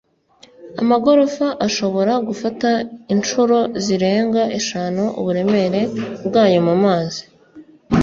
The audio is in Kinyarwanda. amagorofa ashobora gufata inshuro zirenga eshanu uburemere bwayo mumazi